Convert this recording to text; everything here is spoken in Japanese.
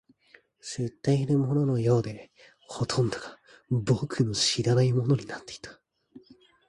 知っているもののようで、ほとんどが僕の知らないものになっていた